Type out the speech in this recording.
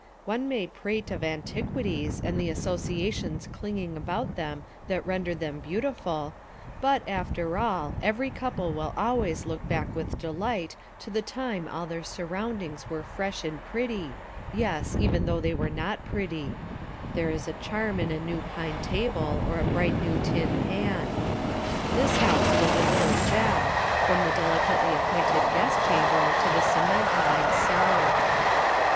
One may prate of antiquities, and the associations clinging about them that render them beautiful, but after all, every couple will always look back with delight to the time all their surroundings were fresh and pretty, yes, even though they were not pretty; there is a charm in a new pine table, or a bright new tin pan. This house was a little gem, from the delicately appointed guest chamber to the cement lined cellar.